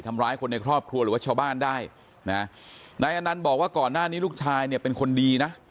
ทำร้ายคนในครอบครัวหรือว่าชาวบ้านได้นะนายอนันต์บอกว่าก่อนหน้านี้ลูกชายเนี่ยเป็นคนดีนะ